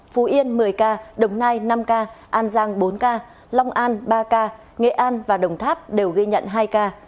phú yên một mươi ca đồng nai năm ca an giang bốn ca long an ba ca nghệ an và đồng tháp đều ghi nhận hai ca